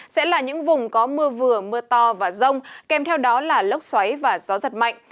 sẽ là những vùng có mưa vừa mưa to và rông kèm theo đó là lốc xoáy và gió giật mạnh